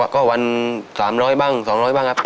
ก็วันสามร้อยบ้างสองร้อยบ้างครับ